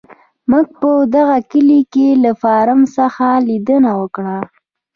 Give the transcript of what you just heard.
موږ په دغه کلي کې له فارم څخه لیدنه وکړه.